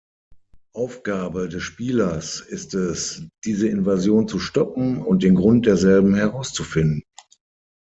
Aufgabe des Spielers ist es, diese Invasion zu stoppen und den Grund derselben herauszufinden.